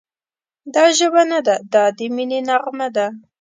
دا ژبه نه ده، دا د مینې نغمه ده»